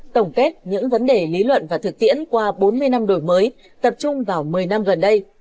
tổng kết những vấn đề lý luận và thực tiễn qua bốn mươi năm đổi mới tập trung vào một mươi năm gần đây